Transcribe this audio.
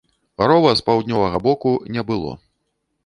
Рова з паўднёвага боку не было.